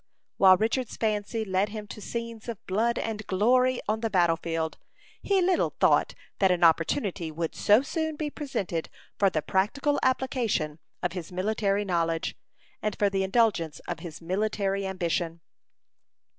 While Richard's fancy led him to scenes of blood and glory on the battle field, he little thought that an opportunity would so soon be presented for the practical application of his military knowledge, and for the indulgence of his military ambition.